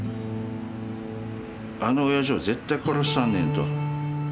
あのおやじを絶対殺したんねんと。